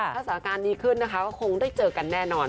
ถ้าสถานการณ์ดีขึ้นนะคะก็คงได้เจอกันแน่นอน